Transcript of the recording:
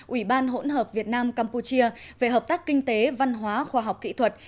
ủy ban hỗn hợp việt nam campuchia về hợp tác kinh tế văn hóa khoa học kỹ thuật